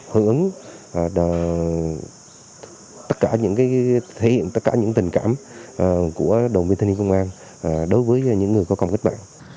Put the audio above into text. hưởng ứng thể hiện tất cả những tình cảm của đồng viên thanh niên công an đối với những người có công cách mạng